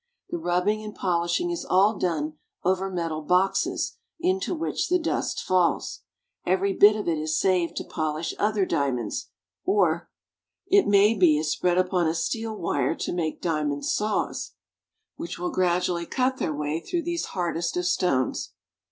The rubbing and polishing is all done over metal boxes into which the dust falls. Every bit of it is saved to polish other diamonds ; or, it may be, is spread upon a steel wire to make diamond saws, which will gradually cut their way through these hardest of stones.